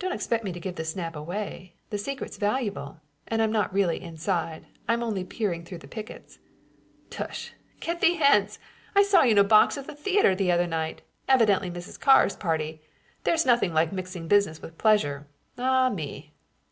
"Don't expect me to give the snap away. The secret's valuable. And I'm not really inside; I am only peering through the pickets!" "Tush! Get thee hence! I saw you in a box at the theater the other night, evidently Mrs. Carr's party. There's nothing like mixing business with pleasure. Ah me!"